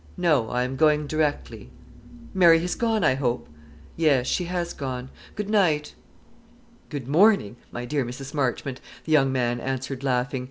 "No; I am going directly." "Mary has gone, I hope?" "Yes; she has gone. Good night." "Good morning, my dear Mrs. Marchmont," the young man answered, laughing.